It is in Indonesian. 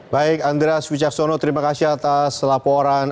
baik andras wicaksono terima kasih atas laporan